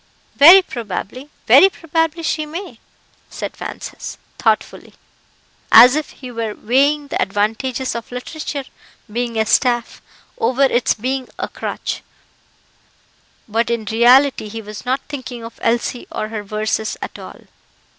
"Very probably very probably she may;" said Francis, thoughtfully, as if he were weighing the advantages of literature being a staff, over its being a crutch, but in reality he was not thinking of Elsie or her verses, at all.